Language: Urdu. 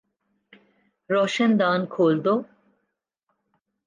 روشن دان کھول دو